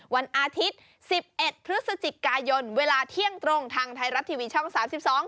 วันอาทิตย์๑๑พฤศจิกายนเวลาเที่ยงตรงทางไทยรัฐทีวีช่อง๓๒